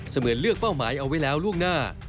เหมือนเลือกเป้าหมายเอาไว้แล้วล่วงหน้า